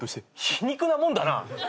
皮肉なもんだな。